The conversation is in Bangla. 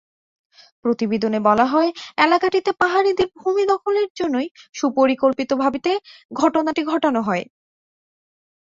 প্রতিবেদনে বলা হয়, এলাকাটিতে পাহাড়িদের ভূমি দখলের জন্যই সুপরিকল্পিতভাবে ঘটনাটি ঘটানো হয়।